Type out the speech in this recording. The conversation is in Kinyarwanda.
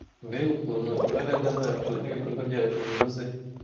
Mbega ukuntu imbaraga zacu n'ibikorwa byacu bivuze!